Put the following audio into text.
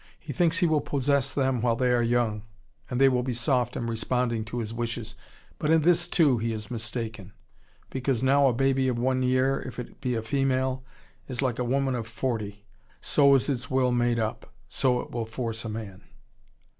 He thinks he will possess them while they are young, and they will be soft and responding to his wishes. But in this, too, he is mistaken. Because now a baby of one year, if it be a female, is like a woman of forty, so is its will made up, so it will force a man."